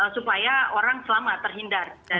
supaya orang selama terhindar